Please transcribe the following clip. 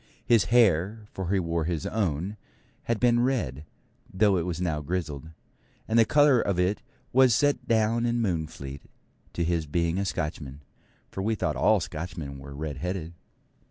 His hair, for he wore his own, had been red, though it was now grizzled; and the colour of it was set down in Moonfleet to his being a Scotchman, for we thought all Scotchmen were red headed.